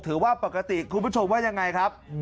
ถือว่าปกติคุณผู้ชมว่ายังไงครับ